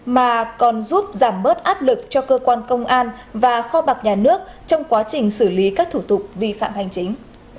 mà còn giúp giảm bớt áp lực cho cơ quan công an và kho bạc nhà nước trong quá trình xử lý các thủ tục vi phạm hành chính